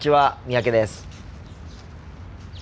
三宅です。